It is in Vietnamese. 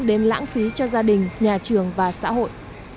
đến lãng phí cho gia đình nhà trường và xã hội